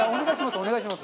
お願いします。